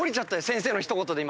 先生の一言で今。